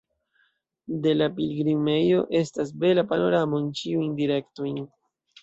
De la pilgrimejo estas bela panoramo en ĉiujn direktojn.